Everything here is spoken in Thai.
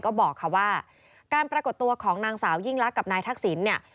ก็บอกว่าการปรากฏตัวของนางสาวยิงลักษณ์กับนายทักศิลป์